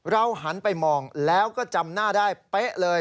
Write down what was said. หันไปมองแล้วก็จำหน้าได้เป๊ะเลย